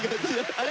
あれ？